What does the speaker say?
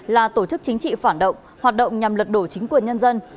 là tổ chức chính trị phản động hoạt động nhằm lật đổ chính quyền nhân dân